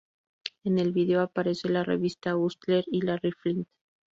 En el video aparece la revista Hustler y Larry Flynt.